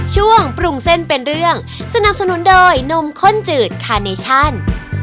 ช่วงปรุงเส้นเป็นเรื่องสนับสนุนโดยนมข้นจืดคาเนชั่น